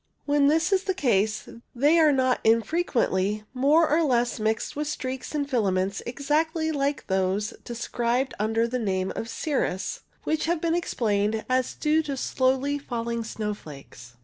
When this is the case, they are not unfrequently more or less mixed with streaks and filaments exactly like those de scribed under the name of cirrus, which have been explained as due to slowly falling snowflakes.